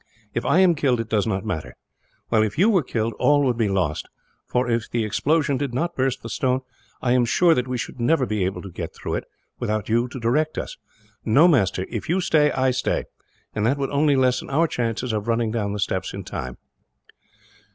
If I am killed, it does not matter; while if you were killed all would be lost for, if the explosion did not burst the stone, I am sure that we should never be able to get through it, without you to direct us. No, master, if you stay, I stay; and that would only lessen our chances of running down the steps in time."